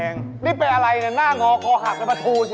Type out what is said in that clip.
นี่เป็นอะไรเหนือหน้างอก้อหากเป็นบะทูเฉย